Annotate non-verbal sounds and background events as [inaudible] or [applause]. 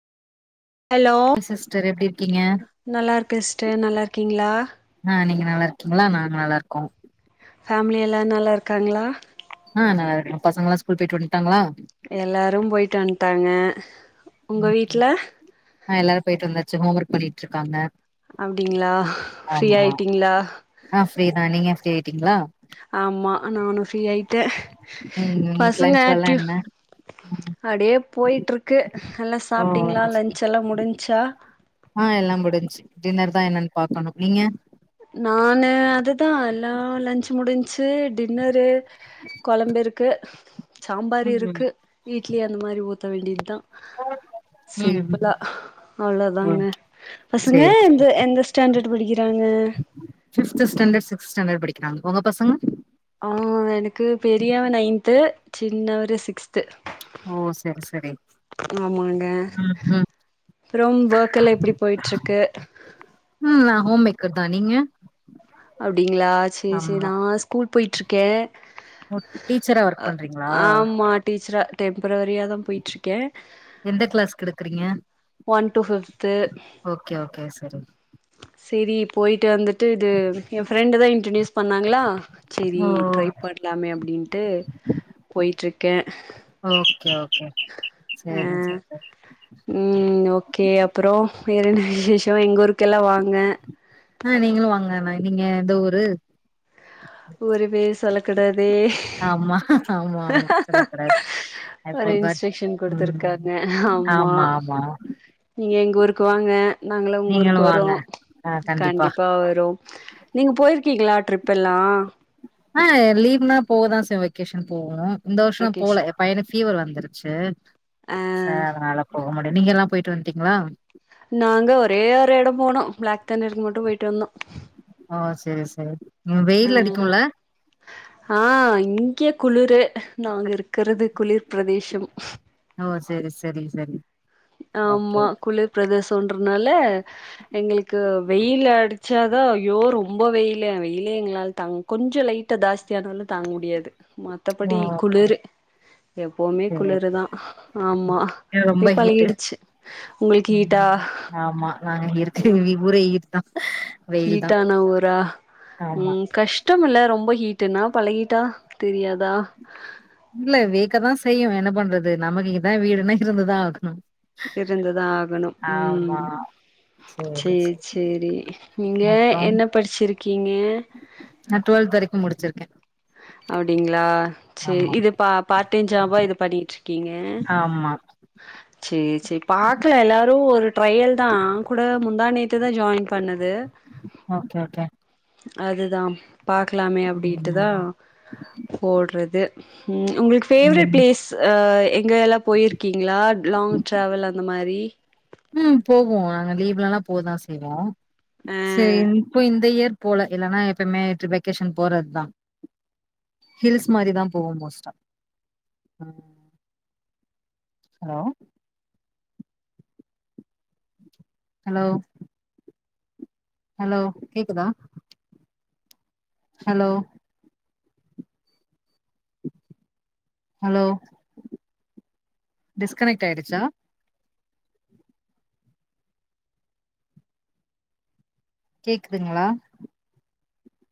hello sister எப்டி இருக்கீங்க நல்லார்க்கே சிஸ்டர் நல்லார்கீங்களா ஆ நீங்க நல்லா இருக்கீங்களா நாங்க நல்லார்க்கோ ஃபேமிலி எல்லா நல்லா இருக்காங்களா ஆ நல்லார்க்கோ பசங்கல்லா ஸ்கூல் போயிட்டு வன்ட்டாங்களா எல்லாரும் போயிட்டு வன்ட்டாங்க உங்க வீட்ல ஆ எல்லாரு போயிட்டு வந்தாச்சு ஹோம் ஒர்க் பண்ணிட்டு இருக்காங்க அப்டிங்ளா ஃப்ரீ ஆமா ஆயிட்டிங்ளா ஆ ஃப்ரீதா நீங்க ஃப்ரீ ஆயிட்டிங்ளா ஆம்மா நானு ஃப்ரீ ஆயிட்டே உம் உம் இன்னைக் லஞ்செல்லா என்ன அடே போயிட்ருக்கு நல்லா ஓ சாப்ட்டீங்களா வந்துச்சு லஞ்ச் எல்லா முடிஞ்ச்சா ஆ எல்லா முடிஞ்ச்சு டின்னர் தான் என்னன்னு பாக்கணு நீங்க நானு அதுதா எல்லா லஞ்ச் முடிஞ்ச்சு டின்னரு கொழம்பிருக்கு சாம்பார் ம் இருக்கு இட்லி அந்த மாத்ரி ஊத்த வேண்டித்தா ஃபோன் பத் [unintelligible] சிம்பிளா அவ்ளோதாங்க ம் பசங்க சேரி எந் எந்த ஸ்டாண்டர்ட் படிக்கிறாங்க ஃபிஃப்த் ஸ்டாண்டர்டு சிக்ஸ்த் ஸ்டாண்டர் படிக்கிறாங்க உங்க பசங்க ஆ எனக்கு பெரியவே நைன்த்து சின்னவர்ரு சிக்ஸ் ஓ செரி செரி ஆமாங்க ம் ம் அப்புறம் ஒர்க் எல்லா எப்டி போயிட்ருக்கு ம் நா ஹோம் மேக்கர் தா நீங்க அப்டிங்களா சேர் சேரி ஆமா நா ஸ்கூல் போய்ட்டுருக்கே ஓ டீச்சரா ஒர்க் அ பண்றீங்களா ஆமா டீச்சரா டெம்பரவரியாதா போயிட்டுருக்கே எந்த க்ளாஸ்க்கு எடுக்குறீங்க one to fifth okay okay சரி செரி போயிட்டு வந்துட்டு இது ஏ ஃப்ரெண்டு தா இன்ட்ரடியூஸ் பண்ணாங்களா செரி ஓ ட்ரை பண்லாமே அப்டின்ட்டு போயிட்ருக்கே ஓக்கே ஓகே ஆ செரிங்க சார் ம் ஓகே அப்றோ வேற என்ன விசேஷோ எங்க ஊருக்கெல்லா வாங்க ஆ நீங்களு வாங்க ண்ணா நீங்க எந்த ஊரு ஊரு பேர் சொல்லக்கூடாதே ஆமா ஆமா ஆமா சொல்லக்கூடாது ஐ ஒரு ஃபர்காட் இன்ஸ்ட்ரக்ஷ்ன் ம் கொடுத்துருக்காங்க ஆமா நீங்க எங்க ஊருக்கு வாங்க நாங்களு உங்க நீங்களு ஊருக்கு வரோ வாங்க கண்டிப்பா வரோ நீங்க போய்ருக்கீங்களா ட்ரிப்பெல்லா ஆ லீவ்னா போவதா ச செய்வோ வெக்கேஷன் போவோ இந்த வர்ஷோ தா போல வெக்கேஷன் ஏ பையனுக்கு ஃபீவர் வந்துருச்சு ஆ ச அத்னால போக முடில நீங்க எல்லா போயிட்டு வன்ட்டீங்களா நாங்க ஒரே ஒரு எடோ போனோ பிளாக் தண்டர் மட்டு போயிட்டு வந்தோ ஆ செரி சை ஆ ஆ இங்கே குளிரு நாங்க இருக்கிறது குளிர் பிரதேசம் ஓ செரி செரி செரி ஆமா குளிர் பிரதேசோன்றதுனால எங்ளுக்கு வெயில் அடிச்சாதா ஐயோ ரொம்ப வெயில்லு வெயிலே எங்ளால தாங்க கொஞ்சோ லைட்டா ஜாஸ்தியானாலு தாங்க முடியாது ஓ மத்தபடி குளுர் கரெக்ட் எப்பவுமே சரி குளிருதா ஆமா அப்டியே ரொம்ப ஹீட்டு் பழகிடுச்சு உங்களுக்கு ஹீட்டா ம் ஆமா நாங்க இருக்க ஆ வீ ஊரே ஹீட்தா ஹீட்டான ஊரா ம் கஷ் கஷ்டம்முல்ல ரொம்ப கீட்டுனா பழகிட்டா தெரியாதா இல்ல வேர்க்கதா செய்யு என்ன பண்றது நமக்கு இதா வீடுனா இருந்துதா ஆகணு இருந்ததா ஆகணு ஆமா ம் சேர் சேரி நீங்க அப்றோ என்ன படிச்சிருக்கீங்க நா டு்வெல்த் வரைக்கு முடிச்சிருக்கே அப்டிங்ளா சேரி ஆமா இது பா பார்ட் டைம் ஜாபா இது பண்ணிட்ருக்கீங்க அ ஆமா சேரி சேரி பாக்ல எல்லாரு ஒரு ட்ரையல்தா கூட முந்தா நேத்ததா ஜாயின் பண்ணது ஓகே ஓகே அதுதா பாக்லாமே அப்டின்ட்டுதா ம் போட்றது ம் உங்ளுக்கு ஃபேவ்ரட் ம் ப்ளேஸ் எங்கெயெல்லா பொயிருக்கீங்ளா லாங் ட்ராவல் அந்த மாரி போகுவோ நாங்க லீவ்லல்லா போதா செய்வோ சரி இப்போ இந்த இயர் போல இல்லன்னா எப்பய்மே இட் வெக்கேஷன் போறத்தா ஹில்ஸ் மாரிதான் போவோ மோஸ்ட்டா ஹலோ ஹலோ ஹலோ கேக்குதா ஹலோ ஹலோ டிஸ்கனைக்ட் ஆயிடுச்சா கேக்குதுங்ளா